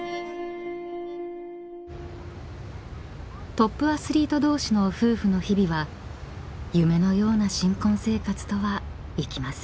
［トップアスリート同士の夫婦の日々は夢のような新婚生活とはいきません］